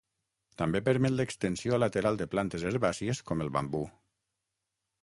També permet l'extensió lateral de plantes herbàcies com el bambú.